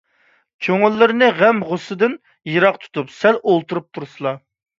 كۆڭۈللىرىنى غەم - غۇسسىدىن يىراق تۇتۇپ، سەل ئولتۇرۇپ تۇرسىلا.